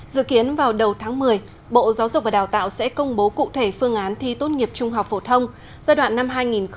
dự kiến vào đầu tháng một mươi bộ giáo dục và đào tạo sẽ công bố cụ thể phương án thi tốt nghiệp trung học phổ thông giai đoạn năm hai nghìn hai mươi hai nghìn hai mươi năm